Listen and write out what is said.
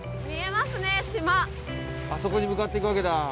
あそこに向かっていくわけだ。